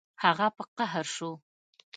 هغه په قهر شو